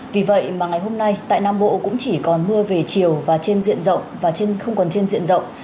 vì vậy mà ngày hôm nay tại nam bộ cũng chỉ còn mưa về chiều và trên diện rộng và không còn trên diện rộng